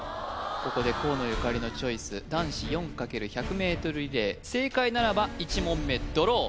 ここで河野ゆかりのチョイス男子４×１００ｍリレー正解ならば１問目ドロー